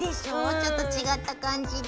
ちょっと違った感じで。